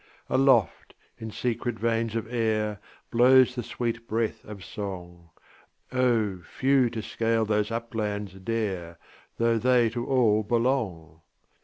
Aloft, in secret veins of air, Blows the sweet breath of song, O, few to scale those uplands dare, Though they to all belong!